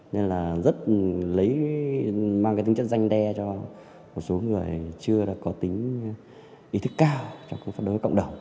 nên là rất lấy mang cái tính chất danh đe cho một số người chưa có tính ý thức cao trong phát đối cộng đồng